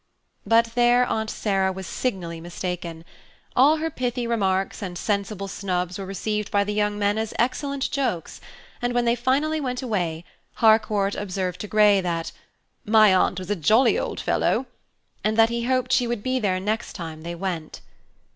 But there Aunt Sarah was signally mistaken. All her pithy remarks and sensible snubs were received by the young men as excellent jokes, and when they finally went away, Harcourt observed to Grey that "My Aunt was a jolly old fellow," and that he hoped she would be there next time they went.